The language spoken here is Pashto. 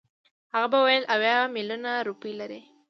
هغه به ویل اویا میلیونه روپۍ لري.